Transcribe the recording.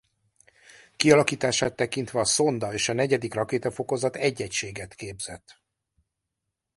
Kialakítását tekintve a szonda és a negyedik rakétafokozat egy egységet képzett.